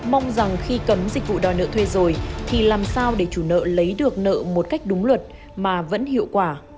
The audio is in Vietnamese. mong rằng khi cấm dịch vụ đòi nợ thuê rồi thì làm sao để chủ nợ lấy được nợ một cách đúng luật mà vẫn hiệu quả